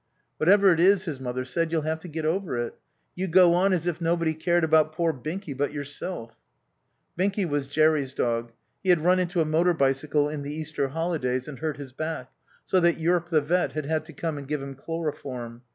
"Whatever it is," his mother said, "you'll have to get over it. You go on as if nobody cared about poor Binky but yourself." Binky was Jerry's dog. He had run into a motor bicycle in the Easter holidays and hurt his back, so that Yearp, the vet, had had to come and give him chloroform.